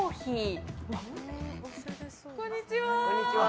こんにちは。